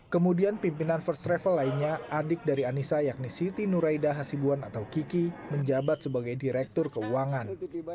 kemudian pimpinan first travel lainnya adik dari anissa yakni siti nuraida hasibuan atau kiki menjabat sebagai direktur keuangan